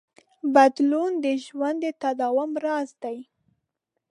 بدلون د ژوند د تداوم راز دی.